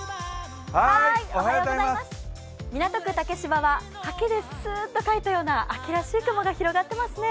港区竹芝は刷毛でスーッと描いたような秋らしい雲が広がってますね。